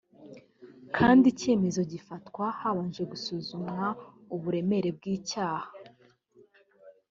kandi icyemezo kigafatwa habanje gusuzumwa uburemere bw’icyaha